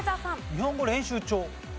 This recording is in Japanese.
『日本語練習帳』。